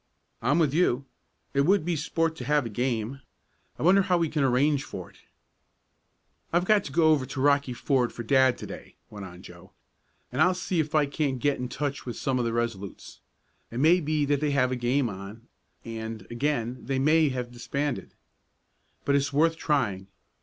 "I'm with you. It would be sport to have a game. I wonder how we can arrange for it?" "I've got to go over to Rocky Ford for dad to day," went on Joe, "and I'll see if I can't get in touch with some of the Resolutes. It may be that they have a game on, and, again, they may have disbanded. But it's worth trying.